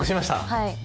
はい。